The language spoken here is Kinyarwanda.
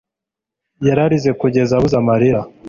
Yararize kugeza abuze amarira